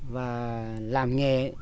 và làm nghề